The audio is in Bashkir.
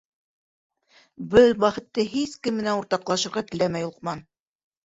Был бәхетте һис кем менән уртаҡлашырға теләмәй Лоҡман.